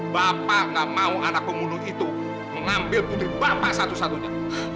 bapak gak mau anak pemulung itu mengambil putri bapak satu satunya